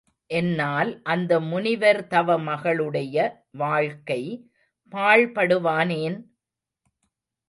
என்னால் அந்த முனிவர்தவமகளுடைய வாழ்க்கை பாழ்படுவானேன்?